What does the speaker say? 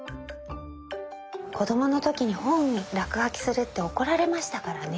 子供の時に本に落書きするって怒られましたからね。